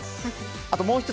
あともう１つ。